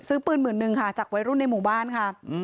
ซื้อปืนหมื่นนึงค่ะจากวัยรุ่นในหมู่บ้านค่ะ